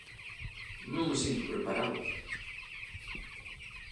Non me sinto preparado.